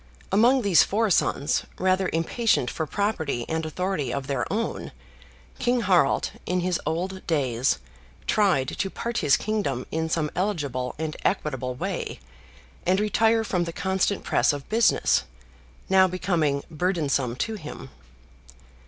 Among these four sons, rather impatient for property and authority of their own, King Harald, in his old days, tried to part his kingdom in some eligible and equitable way, and retire from the constant press of business, now becoming burdensome to him.